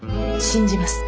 信じます。